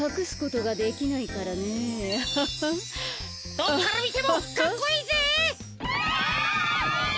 どこからみてもかっこいいぜ。